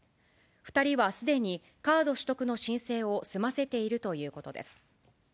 ２人はすでにカード取得の申請を済ませているということです。